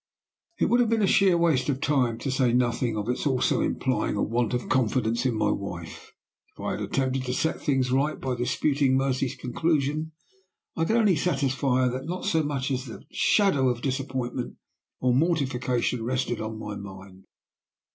"It would have been sheer waste of time to say nothing of its also implying a want of confidence in my wife if I had attempted to set things right by disputing Mercy's conclusion. I could only satisfy her that not so much as the shadow of disappointment or mortification rested on my mind.